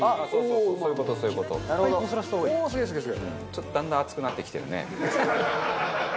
ちょっとだんだん厚くなってきてるね。